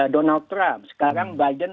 donald trump sekarang biden